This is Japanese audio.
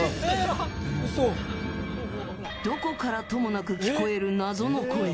どこからともなく聞こえる謎の声。